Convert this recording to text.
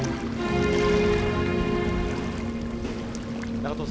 長藤さん